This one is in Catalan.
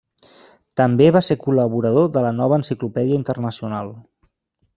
També va ser col·laborador de la Nova Enciclopèdia Internacional.